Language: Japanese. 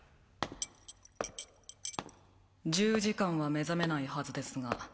１０時間は目覚めないはずですが